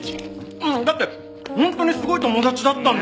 うんだって本当にすごい友達だったんだ。